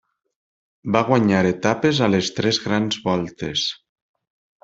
Va guanyar etapes a les tres grans voltes.